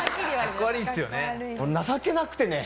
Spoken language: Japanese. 情けなくてね